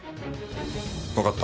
わかった。